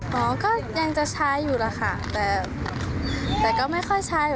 ทฤษฐานวทิศาชน์เช่าโมงครับ